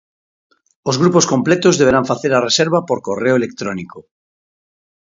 Os grupos completos deberán facer a reserva por correo electrónico.